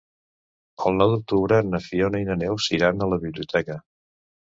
El nou d'octubre na Fiona i na Neus iran a la biblioteca.